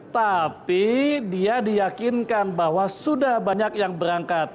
tapi dia diyakinkan bahwa sudah banyak yang berangkat